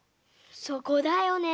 そこだよね。